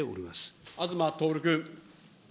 東徹君。